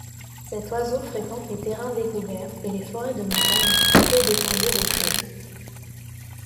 Cet oiseau fréquente les terrains découverts et les forêts de montagnes coupées d'étendues rocheuses.